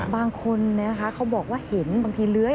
บางคนเขาบอกว่าเห็นบางทีเลื้อย